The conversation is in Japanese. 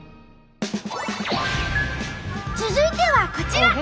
続いてはこちら。